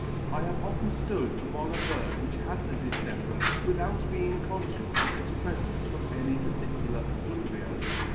I have often hood among a herd which had the dihemper without being confcious of its prefence from any particular effluvia.